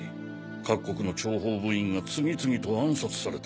各国の諜報部員が次々と暗殺された。